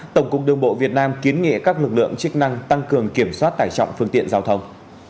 tổng cục đường bộ việt nam kiến nghị các lực lượng chức năng tăng cường kiểm soát tải trọng phương tiện giao thông